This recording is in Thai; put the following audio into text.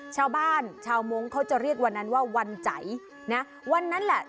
ชาวบ้านชาวมงค์เขาจะเรียกวันนั้นว่าวันใจนะวันนั้นแหละ